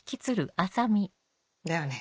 だよね。